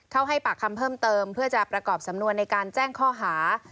ให้ปากคำเพิ่มเติมเพื่อจะประกอบสำนวนในการแจ้งข้อหา